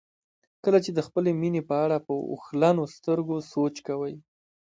کله چې د خپلې مینې په اړه په اوښلنو سترګو سوچ کوئ.